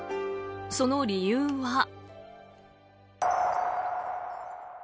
その理由は。